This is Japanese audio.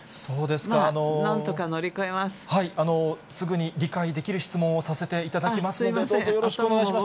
すぐに理解できる質問をさせていただきますので、どうぞよろしくお願いいたします。